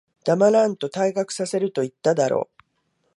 黙らんと、退学させると言っただろ。